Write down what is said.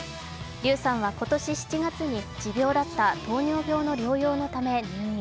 笠さんは今年７月に持病だった糖尿病の治療のため入院。